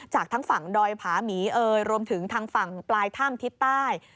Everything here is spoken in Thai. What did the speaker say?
จากทั้งฝั่งดอยผาหมีเอ่ยรวมถึงทางฝั่งปลายถ้ำทิศใต้